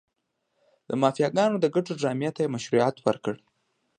د مافیاګانو د ګټو ډرامې ته یې مشروعیت ورکړ.